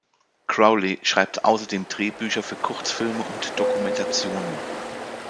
Crowley schreibt außerdem Drehbücher für Kurzfilme und Dokumentationen.